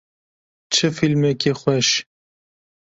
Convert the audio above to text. Çi fîlmekî xweş.